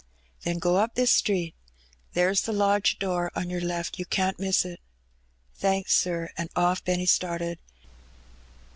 " Then go up this street. There's the lodge door on yoor left ; you can't miss it." "Thanks, sir," and off Benny started.